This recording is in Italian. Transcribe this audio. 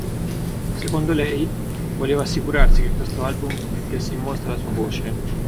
Secondo lei, voleva assicurarsi che questo album "mettesse in mostra la sua voce".